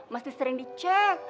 masih sering dicek